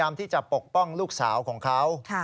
มันเกิดเหตุเป็นเหตุที่บ้านกลัว